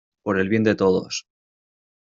por el bien de todos.